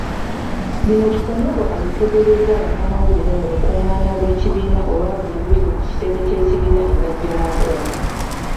Bino Kikonyogo abitegeezezza bannamawulire mu lukung'ana lw'ekibiina olwabuli wiiki ku kitebe ky'ekibiina e Najjanankumbi.